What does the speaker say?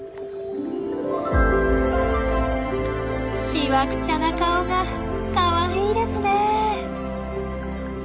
しわくちゃな顔がかわいいですね。